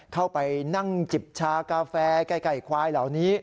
เข้าไปนั่งจิบชากาแฟไก่ควายเหล่านี้